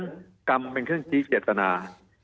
มีความรู้สึกว่ามีความรู้สึกว่า